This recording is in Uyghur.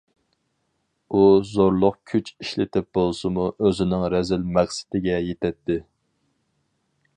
ئۇ زورلۇق كۈچ ئىشلىتىپ بولسىمۇ ئۆزىنىڭ رەزىل مەقسىتىگە يېتەتتى.